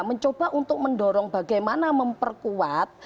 mencoba untuk mendorong bagaimana memperkuat